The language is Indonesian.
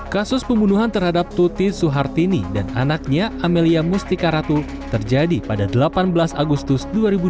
kasus pembunuhan terhadap tuti suhartini dan anaknya amelia mustika ratu terjadi pada delapan belas agustus dua ribu dua puluh